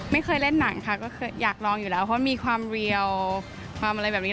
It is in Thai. ไม่เคยเล่นหนังค่ะก็คืออยากลองอยู่แล้วเพราะมีความเรียวความอะไรแบบนี้